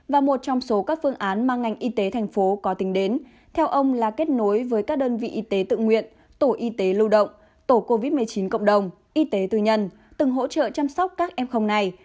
và một trong số các phương án mà ngành y tế thành phố có tính đến theo ông là kết nối với các đơn vị y tế tự nguyện tổ y tế lưu động tổ covid một mươi chín cộng đồng y tế tư nhân từng hỗ trợ chăm sóc các em không này